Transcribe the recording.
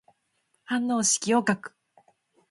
反応式を書く。